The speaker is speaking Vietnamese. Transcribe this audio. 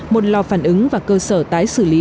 một lò phản ứng và cơ sở tái xử lý